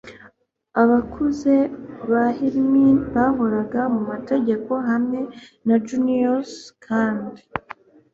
abakuze ba hrymin bahoraga mu mategeko hamwe na juniors, kandi